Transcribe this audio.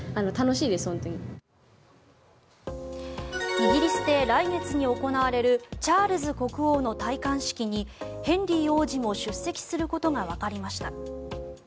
イギリスで来月に行われるチャールズ国王の戴冠式にヘンリー王子も出席することがわかりました。